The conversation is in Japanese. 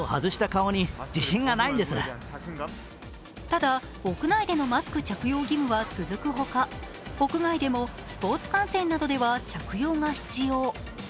ただ屋内でのマスク着用義務は続くほか屋外でもスポーツ観戦などでは着用が必要。